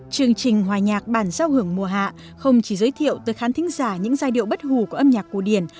chương trình hòa nhạc bản giao hưởng mùa hạ không chỉ giới thiệu tới khán thính giả những giai điệu bất hù của âm nhạc cổ điển